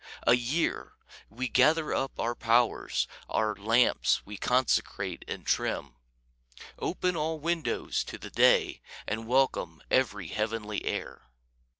A year! We gather up our powers, Our lamps we consecrate and trim; Open all windows to the day, And welcome every heavenly air.